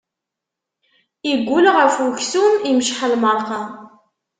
Iggul ɣef uksum, imceḥ lmeṛqa.